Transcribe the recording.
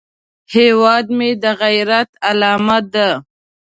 هیواد مې د غیرت علامه ده